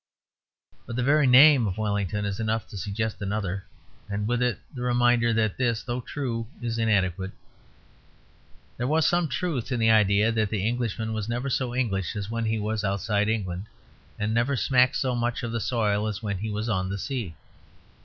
But the very name of Wellington is enough to suggest another, and with it the reminder that this, though true, is inadequate. There was some truth in the idea that the Englishman was never so English as when he was outside England, and never smacked so much of the soil as when he was on the sea.